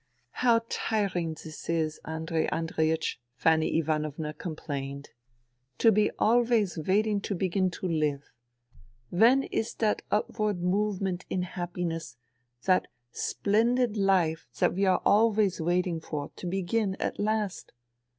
..." How tiring this is, Andrei Andreiech," Fanny Ivanovna complained. " To be always waiting to begin to live. When is that upward movement in happiness, that splendid life that we are always waiting for, to begin at last